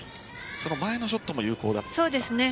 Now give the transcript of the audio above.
その前のショットも有効だったんですね。